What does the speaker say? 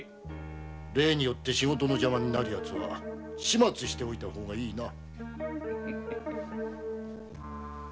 例によって仕事の邪魔になる奴は始末しておいた方がいいな。